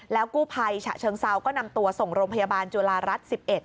กู้ภัยฉะเชิงเซาก็นำตัวส่งโรงพยาบาลจุฬารัฐ๑๑